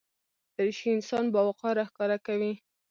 دریشي انسان باوقاره ښکاره کوي.